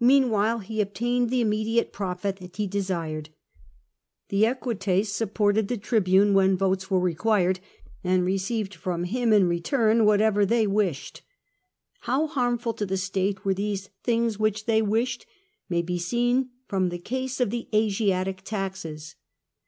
Meanwhile he obtained the immediate profit that he had desired: '^the Equites supported the tribune when votes were required, and received from him in return whatever they wished." How harmful to the state were these ''things which they wished'' may be seen from the case of the Asiatic taxes.